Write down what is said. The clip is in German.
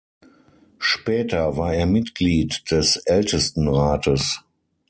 Später war er Mitglied des Ältestenrates.